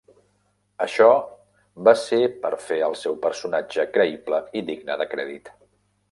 Això va ser per fer el seu personatge creïble i digne de crèdit.